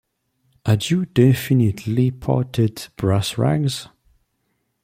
Had you definitely parted brass rags?